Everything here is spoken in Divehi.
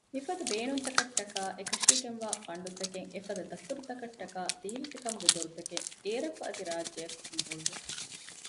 މިފަދަ ބޭނުންތަކަށްޓަކައި އެކަށީގެންވާ ފަންޑުތަކެއް އެފަދަ ދަތުރުތަކަށްޓަކައި ދީލަތި ކަމުގެ ދޮރުތަކެއް އޭރަކު އަދި ރާއްޖެއަކު ނުހުޅުވެ